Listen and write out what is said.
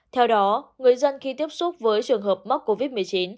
theo đó người dân khi tiếp xúc với trường hợp mắc covid một mươi chín